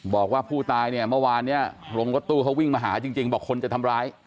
บอกว่าผู้ตายเนี่ยเมื่อวานเนี่ยลงรถตู้เขาวิ่งมาหาจริงบอกคนจะทำร้าย